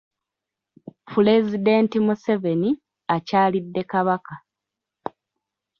Pulezidenti Museveni akyalidde Kabaka.